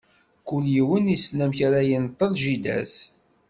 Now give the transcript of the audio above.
Kul yiwen, issen amek ara yenṭel jida-s.